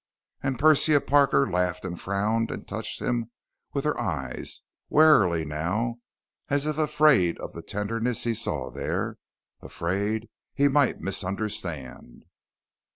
And Persia Parker laughed and frowned and touched him with her eyes, warily now, as if afraid of the tenderness he saw there, afraid he might misunderstand.